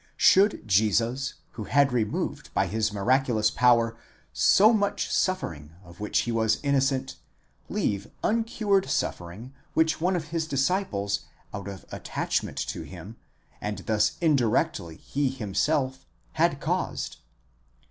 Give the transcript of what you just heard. Should Jesus, who had removed by his miraculous power so much suffering of which he was innocent, leave uncured suffering which one of his disciples out of attachment to him, and thus indirectly he himself, had caused?